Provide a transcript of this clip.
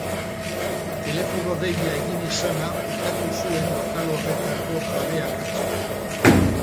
Telefono deia egin izana ukatu zuen lokal horretako jabeak atzo.